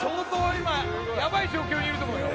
今やばい状況にいると思うよ。